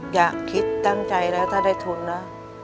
อย่าคิดตั้งใจแล้วถ้าได้ทุนนะ